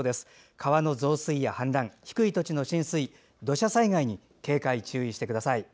川の増水や氾濫低い土地の浸水、土砂災害に警戒・注意してください。